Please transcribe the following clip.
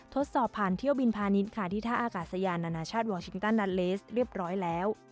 ทดสอบผ่านเที่ยวบินพาณิชย์ค่ะที่ท่าอากาศยานานาชาติวอร์ชิงตันนัลเลสเรียบร้อยแล้ว